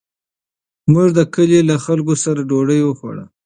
موږ د کلي له خلکو سره ډوډۍ وخوړه.